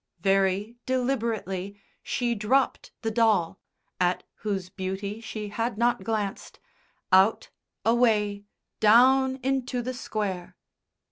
Very deliberately she dropped the doll (at whose beauty she had not glanced) out, away, down into the Square.